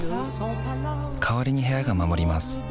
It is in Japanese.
代わりに部屋が守ります